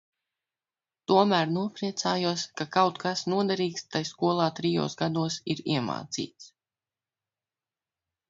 Tomēr nopriecājos, ka kaut kas noderīgs tai skolā trijos gados ir iemācīts.